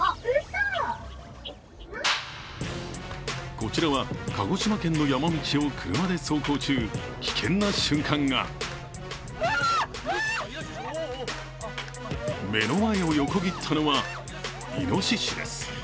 こちらは鹿児島県の山道を車で走行中、危険な瞬間が目の前を横切ったのはいのししです。